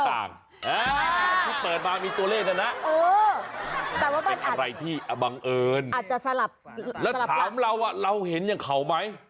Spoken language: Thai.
อาที่เปิดมามีตัวเลขนั่นนะเป็นอะไรที่อบังเอิญและถามเราว่าเราเห็นอย่างเขาไหม